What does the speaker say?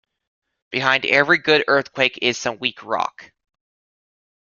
Behind every good earthquake is some weak rock.